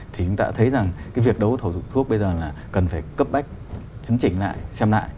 thì chúng ta thấy rằng cái việc đấu thầu dụng thuốc bây giờ là cần phải cấp bách chứng chỉnh lại xem lại